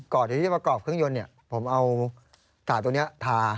ก่อนที่จะประกอบเครื่องยนต์เนี่ยผมเอาสระตัวเนี่ยทา